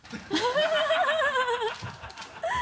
ハハハ